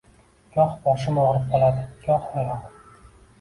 Goh boshim og‘rib qoladi, goh oyog‘im...